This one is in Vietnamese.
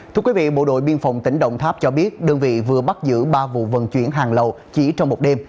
thưa quý vị bộ đội biên phòng tỉnh đồng tháp cho biết đơn vị vừa bắt giữ ba vụ vận chuyển hàng lậu chỉ trong một đêm